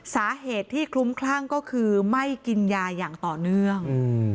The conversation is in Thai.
สาเหตุที่คลุ้มคลั่งก็คือไม่กินยาอย่างต่อเนื่อง